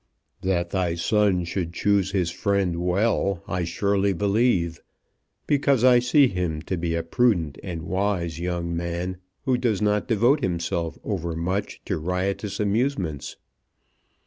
"That thy son should choose his friend well, I surely believe, because I see him to be a prudent and wise young man, who does not devote himself over much to riotous amusements."